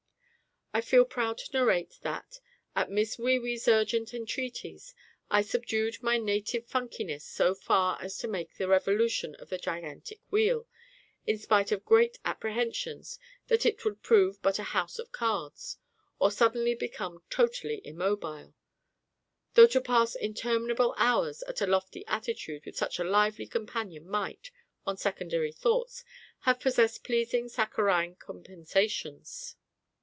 I feel proud to narrate that, at Miss WEE WEE'S urgent entreaties, I subdued my native funkiness so far as to make the revolution of the Gigantic Wheel, in spite of grave apprehensions that it would prove but a house of cards, or suddenly become totally immobile though to pass interminable hours at a lofty attitude with such a lively companion might, on secondary thoughts, have possessed pleasing saccharine compensations.